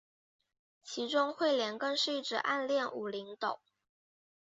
其中彗莲更是一直暗恋武零斗。